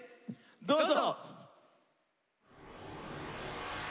どうぞ！